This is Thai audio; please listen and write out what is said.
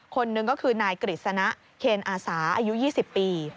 คนหนึ่งก็คือนายกฤษณะเคนอาสาอายุ๒๐ปี